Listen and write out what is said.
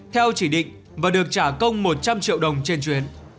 theo chỉ định và được trả công một trăm linh triệu đồng trên chuyến